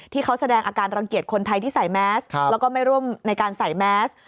ที่เขาแสดงอาการรังเกียจคนไทยที่ใส่แมสแล้วก็ไม่ร่วมในการใส่แมส